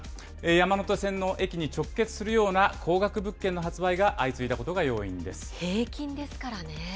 山手線の駅に直結するような高額物件の発売が相次いだことが要因平均ですからね。